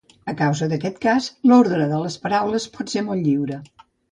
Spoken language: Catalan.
A causa d'aquest cas, l'ordre de les paraules pot ser molt lliure.